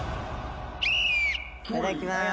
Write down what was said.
いただきます。